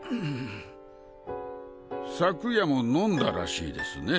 昨夜も飲んだらしいですね？